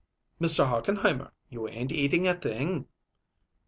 "Mr. Hochenheimer, you ain't eating a thing!"